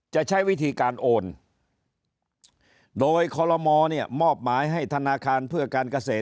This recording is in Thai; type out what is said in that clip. จะใช้วิธีการโอนโดยคอลโลมเนี่ยมอบหมายให้ธนาคารเพื่อการเกษตร